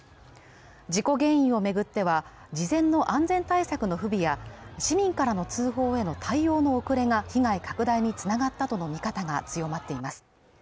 事故原因をめぐっては事前の安全対策の不備や市民からの通報への対応の遅れが被害拡大につながったとの見方が強まっています